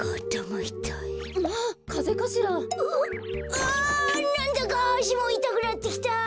あなんだかあしもいたくなってきた！